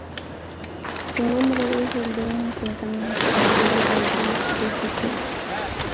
Su nombre es el de un asentamiento a orillas del río St.